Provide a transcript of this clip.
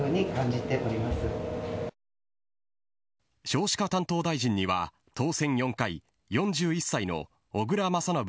少子化担当大臣には当選４回４１歳の小倉将信